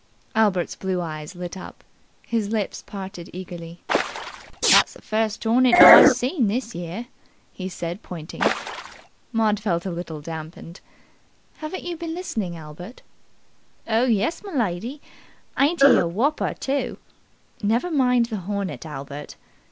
Albert's blue eyes lit up. His lips parted eagerly, "That's the first hornet I seen this year," he said pointing. Maud felt a little damped. "Haven't you been listening, Albert?" "Oh, yes, m'lady! Ain't he a wopper, too?" "Never mind the hornet, Albert."